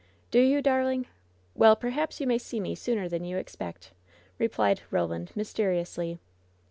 "Do you, darling? Well, perhaps you may see me sooner than you expect," replied Roland, mysteriously.